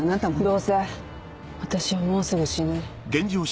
どうせ私はもうすぐ死ぬ。